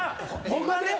僕はね